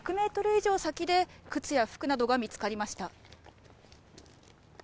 以上先で、靴や服などが見つかりました。